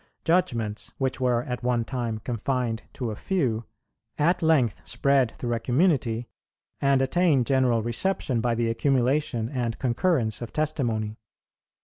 Judgments, which were at one time confined to a few, at length spread through a community, and attain general reception by the accumulation and concurrence of testimony.